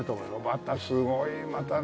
またすごいまたね。